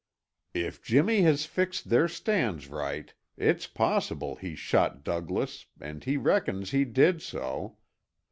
"If Jimmy has fixed their stands right, it's possible he shot Douglas and he reckons he did so.